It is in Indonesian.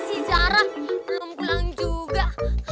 sini si zara belum pulang juga